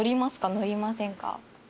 乗りませんか？